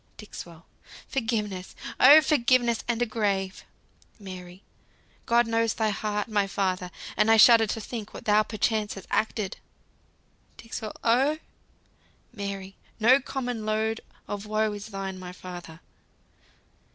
"Dixwell. Forgiveness! Oh, forgiveness, and a grave! Mary. God knows thy heart, my father! and I shudder To think what thou perchance hast acted. Dixwell. Oh! Mary. No common load of woe is thine, my father."